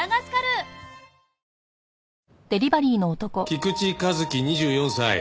菊池和希２４歳。